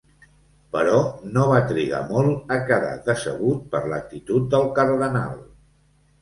Però no va trigar molt a quedar decebut per l’actitud del cardenal.